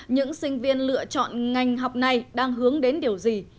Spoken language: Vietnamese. những sinh viên lựa chọn ngành học này đang hướng đến điều gì